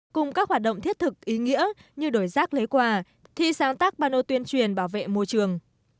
cùng các hoạt động thiết thực ý nghĩa như đổi rác lấy quà thi sáng tác bà nô tuyên truyền bảo vệ môi trường